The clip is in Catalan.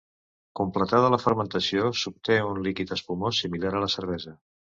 Completada la fermentació s'obté un líquid espumós similar a la cervesa.